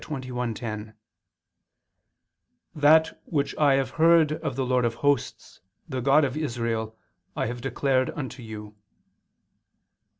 21:10, "That which I have heard of the Lord of hosts, the God of Israel, I have declared unto you."